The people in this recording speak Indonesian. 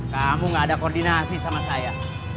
kamu gak ada koordinasi sama saya